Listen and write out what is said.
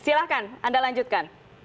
silahkan anda lanjutkan